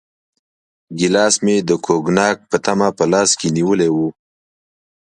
ګیلاس مې د کوګناک په تمه په لاس کې نیولی و.